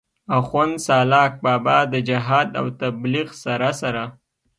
آخون سالاک بابا د جهاد او تبليغ سره سره